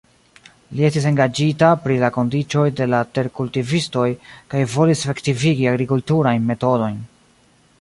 Li estis engaĝita pri la kondiĉoj de la terkultivistoj kaj volis efektivigi agrikulturajn metodojn.